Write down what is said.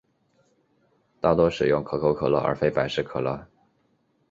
大多使用可口可乐而非百事可乐。